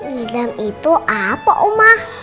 ngidam itu apa uma